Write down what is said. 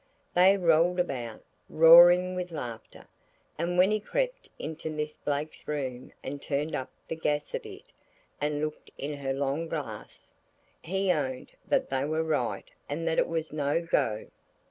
They rolled about, roaring with laughter, and when he crept into Miss Blake's room and turned up the gas a bit, and looked in her long glass, he owned that they were right and that it was no go.